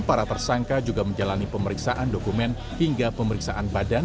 para tersangka juga menjalani pemeriksaan dokumen hingga pemeriksaan badan